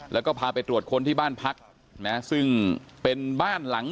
แล้วก็พาไปตรวจคนที่บ้านพักนะซึ่งเป็นบ้านหลัง